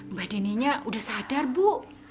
mbak dininya udah sadar bu